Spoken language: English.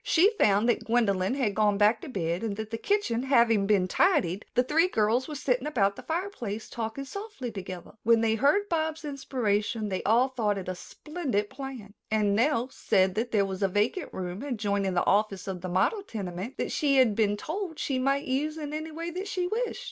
She found that Gwendolyn had gone back to bed and that the kitchen having been tidied, the three girls were sitting about the fireplace talking softly together. When they heard Bobs' inspiration, they all thought it a splendid plan, and Nell said that there was a vacant room adjoining the office of the model tenement that she had been told she might use in any way that she wished.